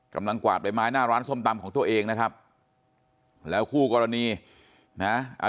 กวาดใบไม้หน้าร้านส้มตำของตัวเองนะครับแล้วคู่กรณีนะ